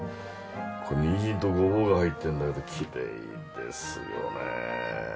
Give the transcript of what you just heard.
これにんじんとごぼうが入ってるんだけどきれいですよね。